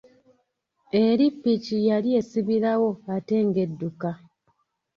Eri ppiki yali esibirawo ate nga edduka.